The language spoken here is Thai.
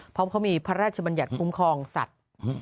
เพราะมีประราชบรรยัตคุ้มครองสัตว์